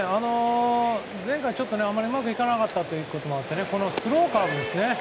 前回、あんまりうまくいかなかったこともあってこのスローカーブですね。